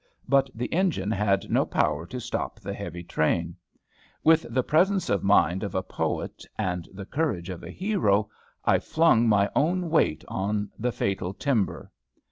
But the engine had no power to stop the heavy train. With the presence of mind of a poet, and the courage of a hero, I flung my own weight on the fatal timber.